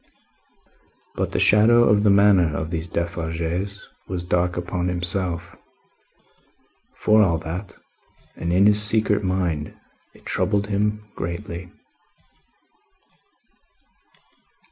But the shadow of the manner of these Defarges was dark upon himself, for all that, and in his secret mind it troubled him greatly.